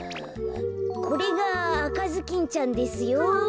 これがあかずきんちゃんですよ。